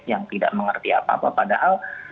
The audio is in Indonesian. yang tidak mengerti apa apa padahal